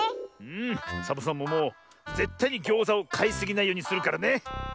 うんサボさんももうぜったいにギョーザをかいすぎないようにするからね！